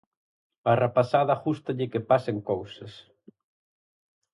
Á rapazada gústalle que pasen cousas.